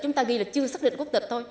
chúng ta ghi là chưa xác định quốc tịch thôi